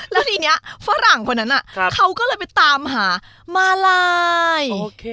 แล้วทีนี้ฝรั่งคนนั้นเขาก็เลยไปตามหามาลาย